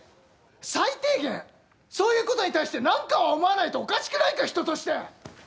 最低限そういうことに対して何かは思わないとおかしくないか人として！